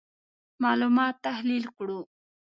معلومات تحلیل کړو.